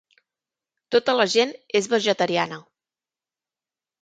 Tota la gent és vegetariana.